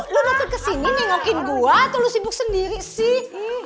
lu dateng ke sini nih ngokin gue atau lu sibuk sendiri sih